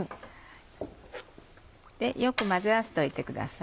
よく混ぜ合わせといてください。